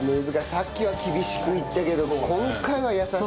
さっきは厳しくいったけど今回は優しく。